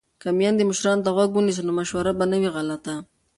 که میندې مشرانو ته غوږ ونیسي نو مشوره به نه وي غلطه.